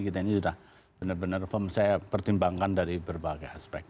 kita ini sudah benar benar firm saya pertimbangkan dari berbagai aspek